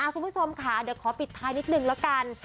คุณผู้ชมค่ะเดี๋ยวขอปิดท้ายนิดนึงแล้วกัน